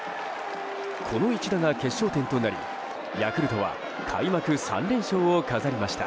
この一打が決勝点となりヤクルトは開幕３連勝を飾りました。